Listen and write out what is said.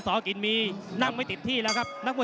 สีเฮะไปอีกแล้ว